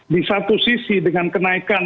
di satu sisi dengan kenaikan